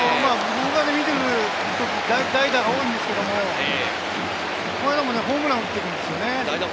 僕が見ているとき、代打が多いんですけれど、この間もホームランを打っているんですよね。